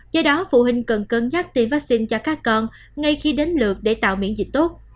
do đó phụ huynh cần cân nhắc tiêm vaccine cho các con ngay khi đến lượt để tạo miễn dịch tốt